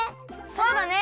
そうだね！